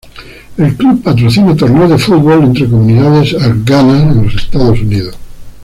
El club patrocina torneos de fútbol entre comunidades Afganas en los Estados Unidos.